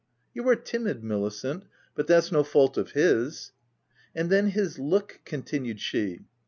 €€ You are timid, Milicent, but that's no fault of his/' " And then his look/' continued she.